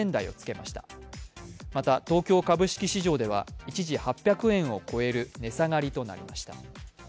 また東京株式市場では一時、８００円を超える値下がりとなりました。